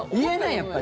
やっぱり。